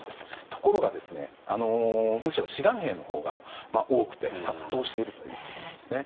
ところがむしろ志願兵のほうが多くて殺到しているということなんですね。